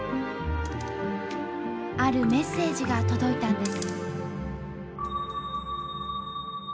あるメッセージが届いたんです。